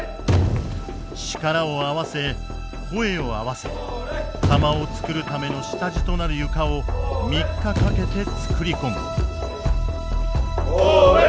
力を合わせ声を合わせ釜をつくるための下地となる床を３日かけてつくり込む。